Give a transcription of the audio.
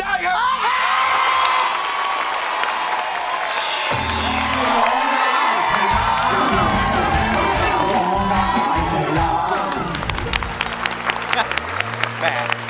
ได้ครับ